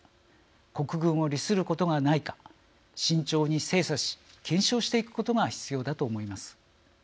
国軍を利することがないか慎重に精査し検証していくことが必要だと思います。